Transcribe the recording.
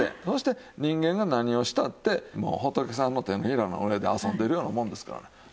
そして人間が何をしたってもう仏さんの手のひらの上で遊んでるようなもんですからね。